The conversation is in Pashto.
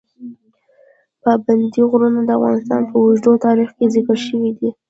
پابندي غرونه د افغانستان په اوږده تاریخ کې ذکر شوي دي.